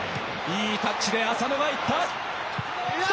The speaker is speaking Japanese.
いいタッチで浅野がいった。